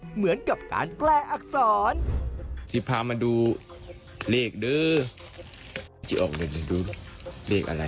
เหมือนกับการแปลอักษรที่พามาดูเลขด้วยจะออกไปดูเลขอะไร